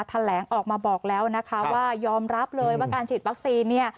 แถลงออกมาบอกแล้วนะคะว่ายอมรับเลยว่าการฉีดวัคซีนเนี่ย